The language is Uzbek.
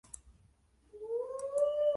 Biri bilan eshikni qatiq - qatiq qoqardim